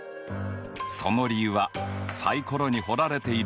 その理由はサイコロに掘られている目の容量。